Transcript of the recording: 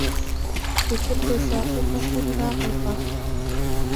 لِكُلِّ سَاقِطَةٍ لَاقِطَةٍ